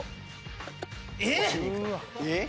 えっ！？